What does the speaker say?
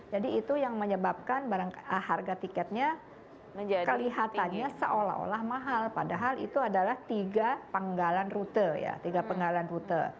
jadi itu yang menyebabkan harga tiketnya kelihatannya seolah olah mahal padahal itu adalah tiga penggalan rute ya tiga penggalan rute